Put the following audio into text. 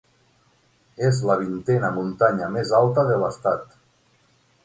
És la vintena muntanya més alta de l'estat.